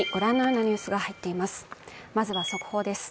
まずは速報です。